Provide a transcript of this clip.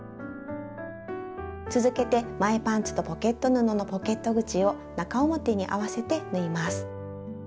続けて前パンツとポケット布のポケット口を中表に合わせて縫います。